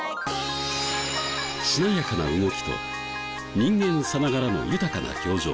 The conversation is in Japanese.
しなやかな動きと人間さながらの豊かな表情。